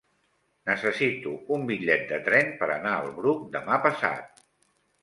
Necessito un bitllet de tren per anar al Bruc demà passat.